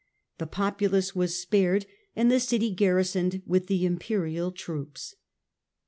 The populace was spared and the city garrisoned with the Imperial troops.